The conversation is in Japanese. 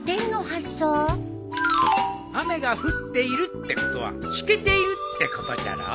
雨が降っているってことはしけているってことじゃろ？